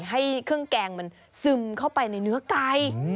ให้เครื่องแกงมันซึมเข้าไปในเนื้อไก่